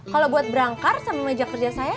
kalau buat berangkar sama meja kerja saya